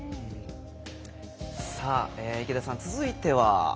池田さん、続いては？